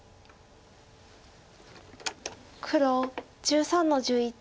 黒１３の十一。